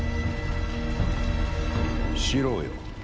四郎よ。